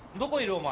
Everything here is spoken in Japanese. お前。